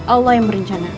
allah yang berencana